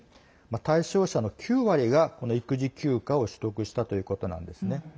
対象者の９割が育児休暇を取得したということなんですね。